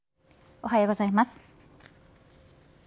おはようございます。